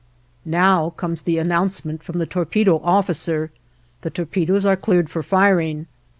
Now comes the announcement from the torpedo officer, "The torpedoes are cleared for firing."